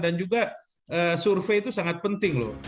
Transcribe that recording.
dan juga survei itu sangat penting